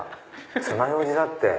つまようじだって。